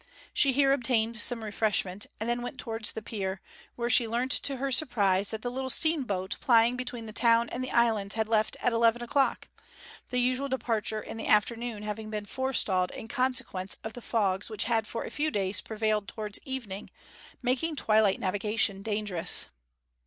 She here obtained some refreshment, and then went towards the pier, where she learnt to her surprise that the little steamboat plying between the town and the islands had left at eleven o'clock; the usual hour of departure in the afternoon having been forestalled in consequence of the fogs which had for a few days prevailed towards evening, making twilight navigation dangerous.